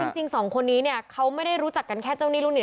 จริงสองคนนี้เนี่ยเขาไม่ได้รู้จักกันแค่เจ้าหนี้ลูกหนี้